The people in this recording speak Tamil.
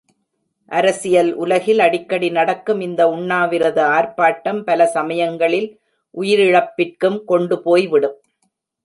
அரசியல் உலகில் அடிக்கடி நடக்கும் இந்த உண்ணாவிரத ஆர்ப்பாட்டம், பல சமயங்களில் உயிரிழப்பிற்கும் கொண்டு போய்விடும்.